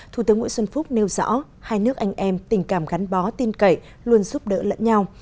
thủ tướng nguyễn xuân phúc nêu rõ hai nước anh em tình cảm gắn bó tin cậy luôn giúp đỡ lẫn nhau